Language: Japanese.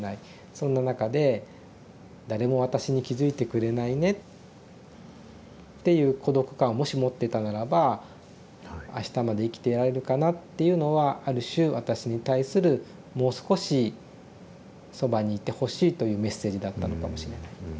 そんな中で「誰も私に気付いてくれないね」っていう孤独感をもし持ってたならば「あしたまで生きていられるかな」っていうのはある種私に対する「もう少しそばにいてほしい」というメッセージだったのかもしれない。